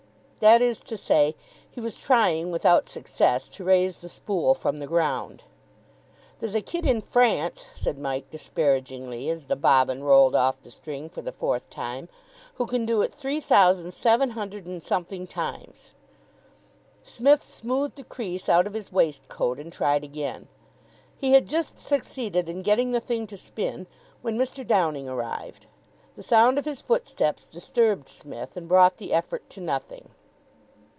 That is to say, he was trying without success to raise the spool from the ground. "There's a kid in France," said Mike disparagingly, as the bobbin rolled off the string for the fourth time, "who can do it three thousand seven hundred and something times." Psmith smoothed a crease out of his waistcoat and tried again. He had just succeeded in getting the thing to spin when Mr. Downing arrived. The sound of his footsteps disturbed Psmith and brought the effort to nothing.